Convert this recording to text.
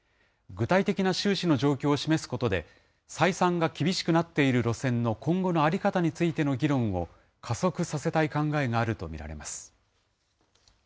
具体的な収支の状況を示すことで、採算が厳しくなっている路線の今後の在り方についての議論を加速させたい考えがあると見られます。